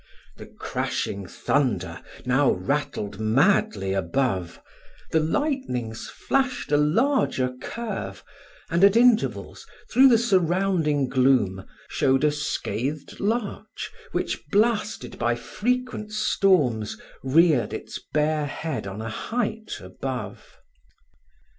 The crashing thunder now rattled madly above, the lightnings flashed a larger curve, and at intervals, through the surrounding gloom, showed a scathed larch, which, blasted by frequent storms, reared its bare head on a height above.